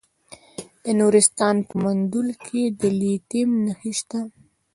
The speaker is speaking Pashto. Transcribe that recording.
د نورستان په مندول کې د لیتیم نښې شته.